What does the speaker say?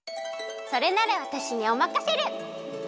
それならわたしにおまかシェル！